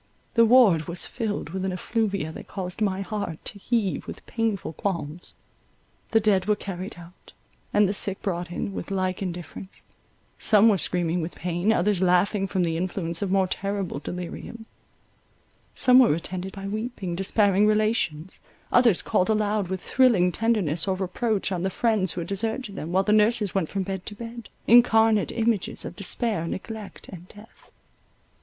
The ward was filled with an effluvia that caused my heart to heave with painful qualms. The dead were carried out, and the sick brought in, with like indifference; some were screaming with pain, others laughing from the influence of more terrible delirium; some were attended by weeping, despairing relations, others called aloud with thrilling tenderness or reproach on the friends who had deserted them, while the nurses went from bed to bed, incarnate images of despair, neglect, and death.